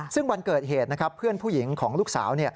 ซึ่งวันเกิดเหตุนะครับเพื่อนผู้หญิงของลูกสาว